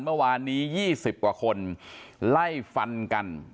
เมื่อวานนี้๒๐กว่าคนไล่ฟันกัน